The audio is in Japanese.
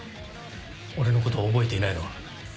俺のことを覚えていないのは？